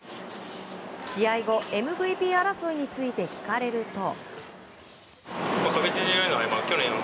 試合後、ＭＶＰ争いについて聞かれると。